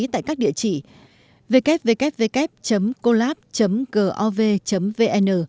tại các địa chỉ www collab gov vn